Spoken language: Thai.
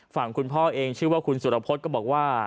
ฝั่งคุณพ่อเองชื่อว่าคุณสุรพฤษก็บอกว่า